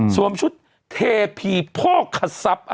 ส่วนชุดเทพีโภคศัพท์